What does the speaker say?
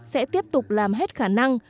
sẽ tiếp tục làm hết khả năng